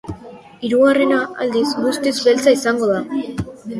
Hirugarrena, aldiz, guztiz beltza izango da.